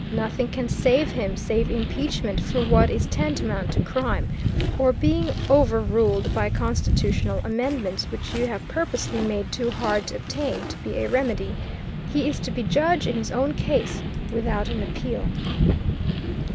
Nothing can shake him save impeachment for what is tantamount to crime, or being overruled by a constitutional amendment which you have purposely made too hard to obtain to be a remedy. He is to be judge in his own case without an appeal.